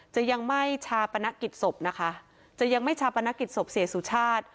จะยังไม่ชาปนกิจศพนะคะจะยังไม่ชาปนกิจศพเสียสุชาติ